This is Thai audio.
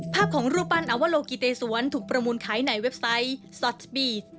ภาพของรูปปั้นอวโลกิเตสวนถูกประมูลขายในเว็บไซต์ซอสบีช